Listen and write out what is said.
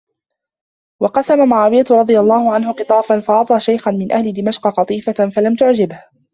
وَقَسَّمَ مُعَاوِيَةُ رَضِيَ اللَّهُ عَنْهُ قِطَافًا فَأَعْطَى شَيْخًا مِنْ أَهْلِ دِمَشْقَ قَطِيفَةً فَلَمْ تُعْجِبْهُ